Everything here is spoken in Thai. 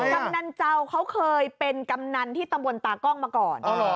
กำนันเจ้าเขาเคยเป็นกำนันที่ตำบลตากล้องมาก่อน